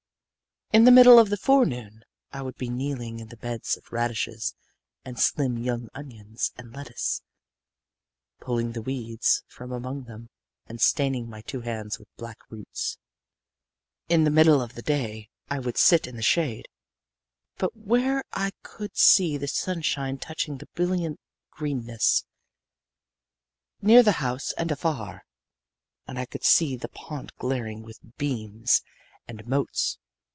In the middle of the forenoon I would be kneeling in the beds of radishes and slim young onions and lettuce, pulling the weeds from among them and staining my two hands with black roots. In the middle of the day I would sit in the shade, but where I could see the sunshine touching the brilliant greenness, near the house and afar. And I could see the pond glaring with beams and motes.